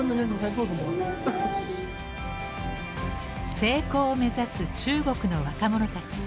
成功を目指す中国の若者たち。